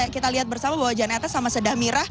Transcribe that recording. kita lihat bersama bahwa janeta sama sedah mirah